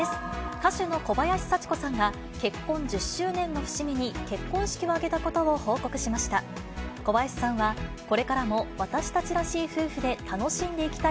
歌手の小林幸子さんが、結婚１０周年の節目に、結婚式を挙げたことを報告しました。